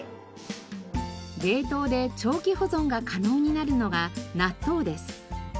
冷凍で長期保存が可能になるのが納豆です。